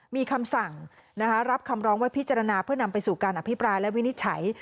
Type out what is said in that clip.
มีคำสั่งรับคำร้องไว้พิจารณาเพื่อนำไปสู่การอภิปรายและวินิจฉัย